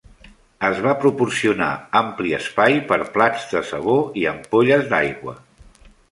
Es va proporcionar ampli espai per plats de sabó i ampolles d'aigua.